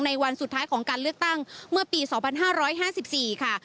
วันสุดท้ายของการเลือกตั้งเมื่อปี๒๕๕๔ค่ะ